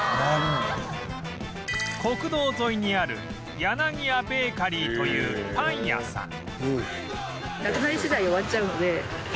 国道沿いにある柳屋ベーカリーというパン屋さん